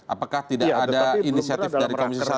apakah tidak ada inisiatif dari komisi satu